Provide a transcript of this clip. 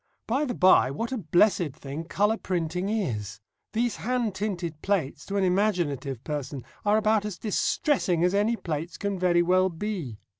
By the bye, what a blessed thing colour printing is! These hand tinted plates, to an imaginative person, are about as distressing as any plates can very well be.